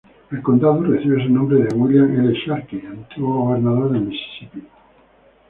El condado recibe su nombre de William L. Sharkey, antiguo gobernador de Misisipi.